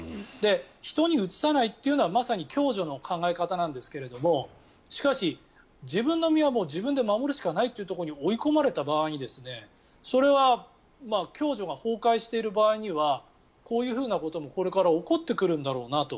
人にうつさないというのはまさに共助の考え方なんですがしかし、自分の身は自分で守るしかないというところに追い込まれた場合それは共助が崩壊している場合にはこういうふうなこともこれから起こってくるんだろうなと。